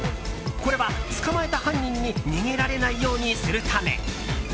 これは捕まえた犯人に逃げられないようにするため。